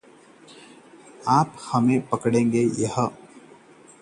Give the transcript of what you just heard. आप हमें पकड़ेंगी।